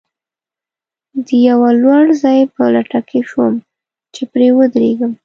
د یوه لوړ ځای په لټه کې شوم، چې پرې ودرېږم.